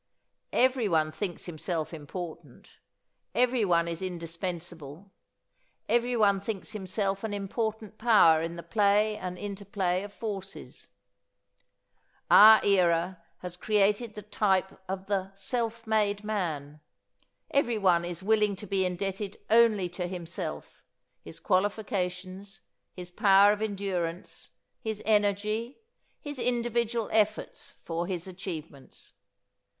Everyone thinks himself important, everyone is indispensable, everyone thinks himself an important power in the play and interplay of forces. Our era has created the type of the "self made man." Everyone is willing to be indebted only to himself, his qualifications, his power of endurance, his energy, his individual efforts for his achievements.